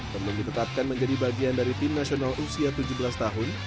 dan mengetatkan menjadi bagian dari tim nasional usia tujuh belas tahun